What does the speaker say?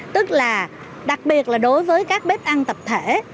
tức là đặc biệt là đối với các bếp ăn tập thể